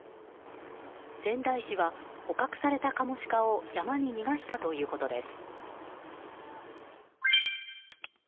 仙台市は捕獲されたカモシカを山に逃がしたということです。